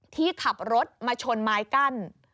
ที่ขับรถมาชนไม้กั้น